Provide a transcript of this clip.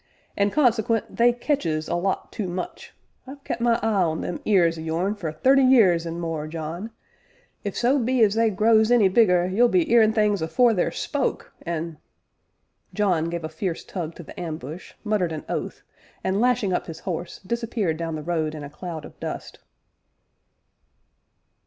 an', consequent, they ketches a lot too much. I've kep' my eye on them ears o' yourn for thirty year an' more, John if so be as they grows any bigger, you'll be 'earin' things afore they're spoke, an' " John gave a fierce tug to the ambush, muttered an oath, and, lashing up his horse, disappeared down the road in a cloud of dust.